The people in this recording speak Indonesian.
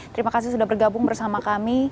terima kasih sudah bergabung bersama kami